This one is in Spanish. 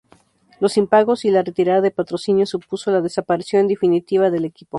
Los impagos y la retirada de patrocinios supuso la desaparición definitiva del equipo.